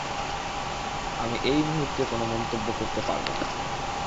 আমি এই মুহুর্তে আমি কোনো মন্তব্য করতে পারবো না।